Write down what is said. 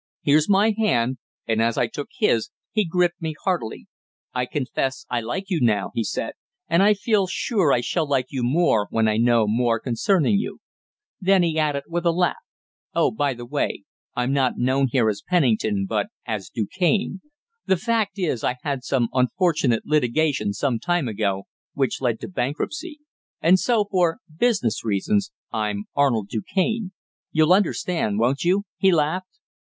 "Here's my hand," and as I took his, he gripped me heartily. "I confess I like you now," he added, "and I feel sure I shall like you more when I know more concerning you." Then he added, with a laugh "Oh, by the way, I'm not known here as Pennington, but as Du Cane. The fact is, I had some unfortunate litigation some time ago, which led to bankruptcy, and so, for business reasons, I'm Arnold Du Cane. You'll understand, won't you?" he laughed.